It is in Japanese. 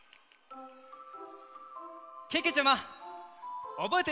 けけちゃまおぼえてる？